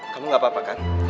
kamu gak apa apa kan